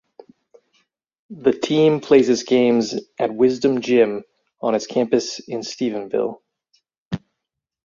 The team plays its games at Wisdom Gym on its campus in Stephenville.